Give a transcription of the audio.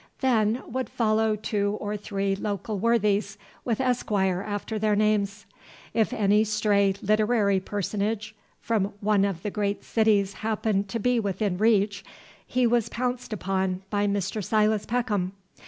Then would follow two or three local worthies with Esquire after their names. If any stray literary personage from one of the great cities happened to be within reach, he was pounced upon by Mr. Silas Peckham.